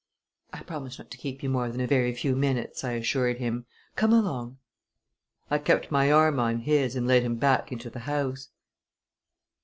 "I promise not to keep you more than a very few minutes," I assured him. "Come along!" I kept my arm on his and led him back into the house.